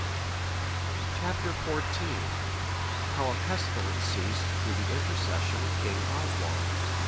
Chap. XIV. How a pestilence ceased through the intercession of King Oswald.